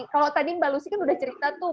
kalau tadi mbak lucy kan udah cerita tuh